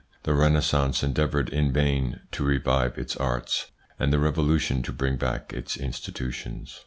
The Renaissance endeavoured in vain to revive its arts, and the Revolution to bring back its institutions.